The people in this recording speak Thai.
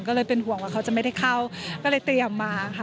ก็เลยเป็นห่วงว่าเขาจะไม่ได้เข้าก็เลยเตรียมมาค่ะ